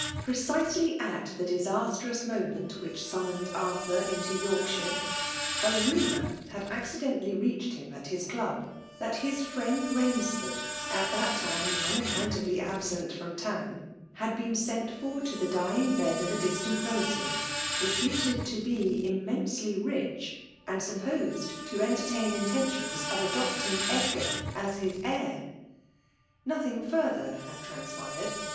Precisely at the disastious moment whieh sammoned Arthur into Yorkddre^ a nuoor had accidentally reached him at his dub, that his friend BainsfiMrd» at that time nnacconnit* aUy absent from town, had been sent for 4o the dying bed of a distant relative, reputed to be immensely ridi, and supposed to entertain intentions of adopting Edgar as his heir. No« thing further had transpired.